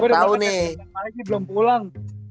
gue udah berangkat dari jepang pagi belum pulang